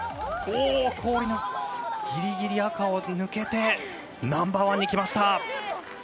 氷のギリギリ赤を抜けてナンバーワンにきました。